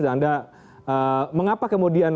dan anda mengapa kemudian